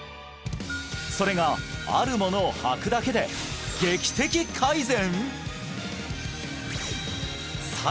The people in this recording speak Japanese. それがあるものをはくだけで劇的改善！？